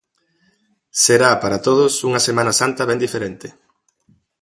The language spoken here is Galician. Será, para todos, unha Semana Santa ben diferente.